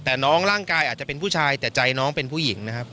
แต่น้องร่างกายอาจจะเป็นผู้ชายแต่ใจน้องเป็นผู้หญิงนะครับ